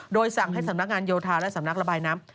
โดยสั่งให้สำนักงานโยธาและสำนักระบายน้ำ